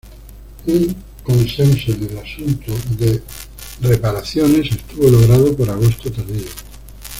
Un consenso en el asunto de reparaciones estuvo logrado por agosto tardío.